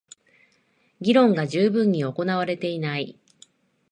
議論が充分に行われていない